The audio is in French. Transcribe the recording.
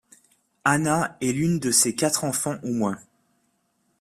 Anna est l'une de ses quatre enfants au moins.